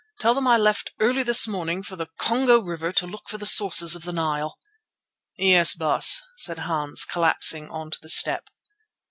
Tell them I left early this morning for the Congo River to look for the sources of the Nile." "Yes, Baas," said Hans, collapsing on to the stoep.